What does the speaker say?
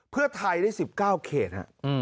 เพื่อไทยได้๑๙เคตครับ